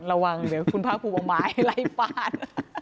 ระวังเดี๋ยวคุณพระครูประหมายไล่ปลาด